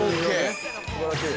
すばらしい。